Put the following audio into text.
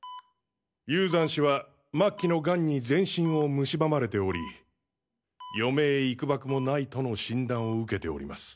雄山氏は末期のがんに全身を蝕まれており余命いくばくもないとの診断を受けております。